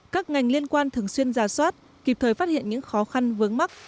các ngành liên quan thường xuyên giả soát kịp thời phát hiện những khó khăn vướng mắt